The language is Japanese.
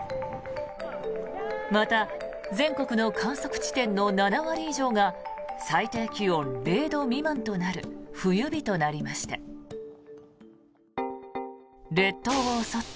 また、全国の観測地点の７割以上が最低気温０度未満となる冬日となりました。